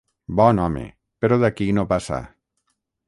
Bon home, però d'aquí no passa.